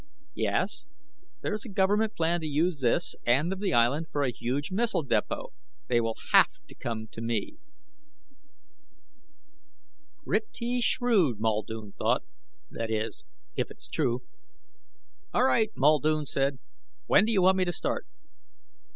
"Yes. There is a government plan to use this end of the Island for a huge missile depot. They will have to come to me." Pretty shrewd, Muldoon thought. That is if it's true. "All right," Muldoon said. "When do you want me to start?"